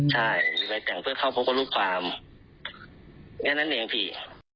ใช่มีใบแต่งเพื่อเข้าพบกับรูปความนั่นเองพี่